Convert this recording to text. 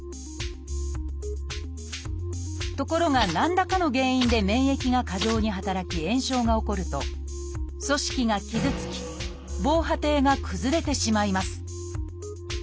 ところが何らかの原因で免疫が過剰に働き炎症が起こると組織が傷つき防波堤が崩れてしまいます。